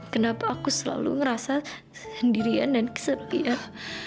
kenapa aku selalu ngerasa sendirian dan kesepian